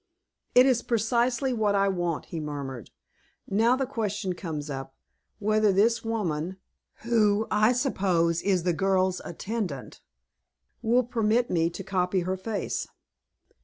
"It is precisely what I want," he murmured. "Now the question comes up, whether this woman, who, I suppose, is the girl's attendant, will permit me to copy her face."